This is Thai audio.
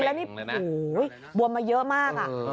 และนี่อุ้ยยยยบวมมาเยอะมากอ่ะ